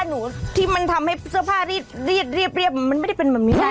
นี่เครื่องรีดค่ะเข้าเครื่องรีด